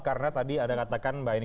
karena tadi ada katakan mbak eni